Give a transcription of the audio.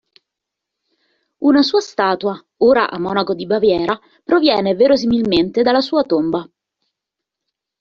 Una sua statua, ora a Monaco di Baviera, proviene verosimilmente dalla sua tomba.